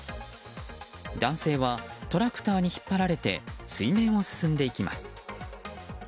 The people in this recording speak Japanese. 男性はトラクターに引っ張られて水面を進んでいきます。